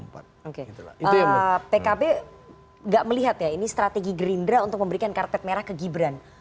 pkb gak melihat ya ini strategi gerinda untuk memberikan karpet merah ke gipret